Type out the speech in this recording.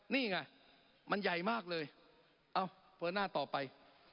นี่ไงมันใหญ่มากเลยเอ้าเผลอหน้าต่อไป